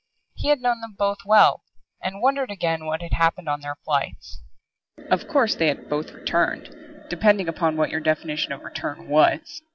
He had known them both well and wondered again what had happened on their flights. Of course, they had both returned, depending upon what your definition of return was.